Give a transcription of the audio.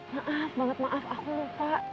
maaf banget maaf aku lupa